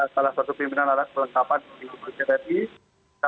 salah satu pimpinan arah kelengkapan di perhimpunan pergerakan indonesia